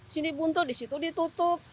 sini buntu disitu ditutup